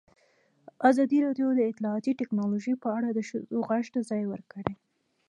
ازادي راډیو د اطلاعاتی تکنالوژي په اړه د ښځو غږ ته ځای ورکړی.